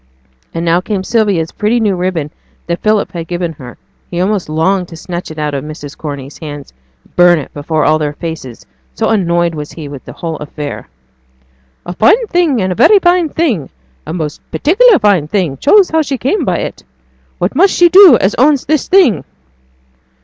And now came Sylvia's pretty new ribbon that Philip had given her (he almost longed to snatch it out of Mrs. Corney's hands and burn it before all their faces, so annoyed was he with the whole affair.) 'A fine thing and a very fine thing a most particular fine thing choose how she came by it. What must she do as owns this thing?'